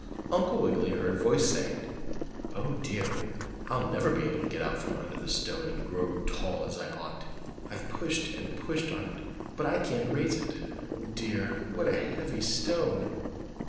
Uncle Wiggily heard a voice saying: "Oh, dear! I'll never be able to get out from under the stone and grow tall as I ought. I've pushed and pushed on it, but I can't raise it. Oh, dear; what a heavy stone!"